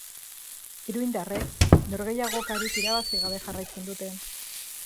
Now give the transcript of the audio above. Iruindarrek norgehiagokarik irabazi gabe jarraitzen dute.